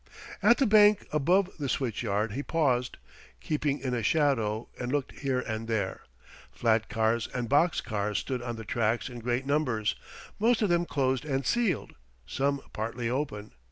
At the bank above the switch yard he paused, keeping in a shadow, and looked here and there. Flat cars and box cars stood on the tracks in great numbers, most of them closed and sealed some partly open.